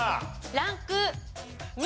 ランク２。